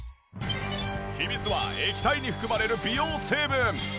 秘密は液体に含まれる美容成分。